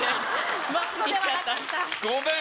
ごめん！